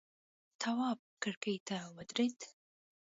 تواب کرکۍ ته ودرېد.